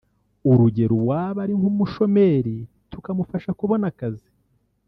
urugero uwaba ari nk’umushomeri tukamufasha kubona akazi